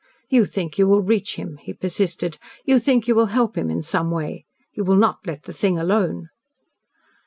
"You think you will reach him," he persisted. "You think you will help him in some way. You will not let the thing alone."